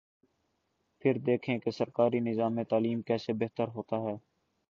پھر دیکھیں کہ سرکاری نظام تعلیم کیسے بہتر ہوتا ہے۔